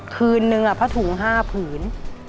คืนนึงผ้าถุง๕ผืน